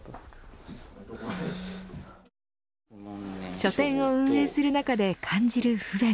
書店を運営する中で感じる不便。